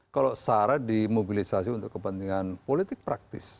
kalau sarah dimobilisasi untuk kepentingan politik praktis